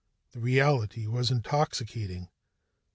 The reality was intoxicating.